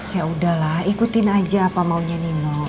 yaudahlah ikutin aja apa maunya nino